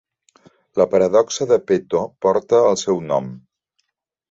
La paradoxa de Peto porta el seu nom.